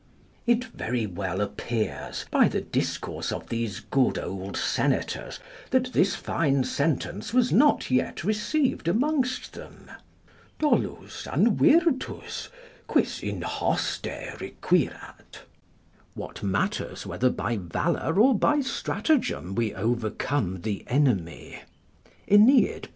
It very well appears, by the discourse of these good old senators, that this fine sentence was not yet received amongst them. "Dolus, an virtus, quis in hoste requirat?" ["What matters whether by valour or by strategem we overcome the enemy?" Aeneid, ii.